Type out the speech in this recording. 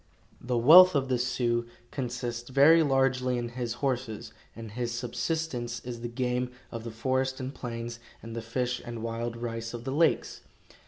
The wealth of the Sioux consists very largely in his horses, and his subsistence is the game of the forest and plains and the fish and wild rice of the lakes.